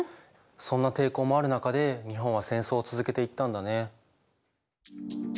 そんな抵抗もある中で日本は戦争を続けていったんだね。